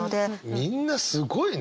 みんなすごいね！